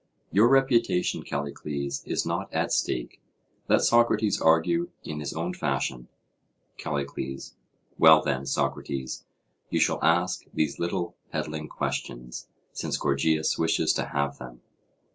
Your reputation, Callicles, is not at stake. Let Socrates argue in his own fashion. CALLICLES: Well, then, Socrates, you shall ask these little peddling questions, since Gorgias wishes to have them.